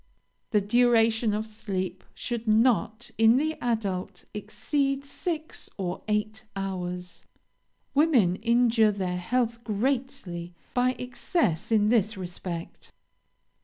"The duration of sleep should not, in the adult, exceed six or eight hours; women injure their health greatly by excess in this respect.